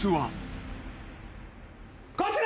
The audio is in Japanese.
こちら！